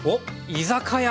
居酒屋。